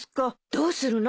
どうするの？